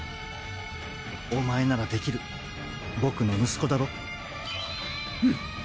お前ならできるボクの息子だろうん！